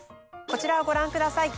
こちらをご覧ください。